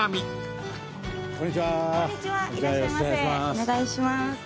お願いします。